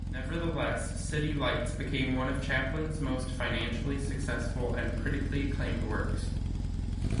Nevertheless, "City Lights" became one of Chaplin's most financially successful and critically acclaimed works.